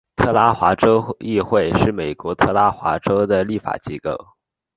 特拉华州议会是美国特拉华州的立法机构。